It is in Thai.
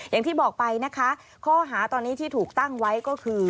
อย่างที่บอกไปนะคะข้อหาตอนนี้ที่ถูกตั้งไว้ก็คือ